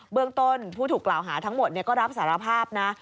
เรื่องต้นผู้ถูกกล่าวหาทั้งหมดก็รับสารภาพนะ